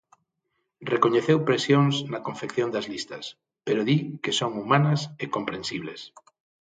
Recoñeceu presións na confección das listas, pero di que son humanas e comprensibles.